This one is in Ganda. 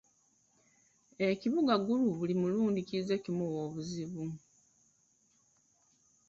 Ekibuga Gulu buli mulundi kizze kimuwa obuzibu.